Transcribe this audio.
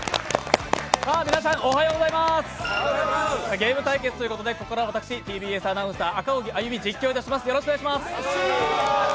ゲーム対決ということでここから私、ＴＢＳアナウンサー、赤荻歩が実況いたします。